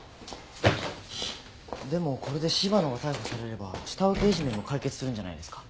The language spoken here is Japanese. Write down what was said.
でもこれで柴野が逮捕されれば下請けいじめも解決するんじゃないですか？